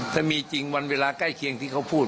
ถ้ามีจริงวันเวลาใกล้เคียงที่เขาพูด